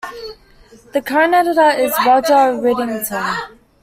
The current editor is Roger Riddington.